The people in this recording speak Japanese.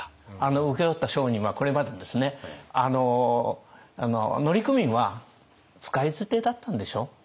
請け負った商人はこれまでですね乗組員は使い捨てだったんでしょう？